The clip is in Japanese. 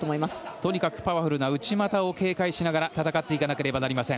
とにかくパワフルな内股を警戒しながら戦わなければなりません。